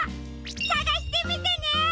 さがしてみてね！